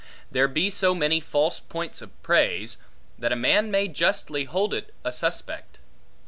There be so many false points of praise, that a man may justly hold it a suspect.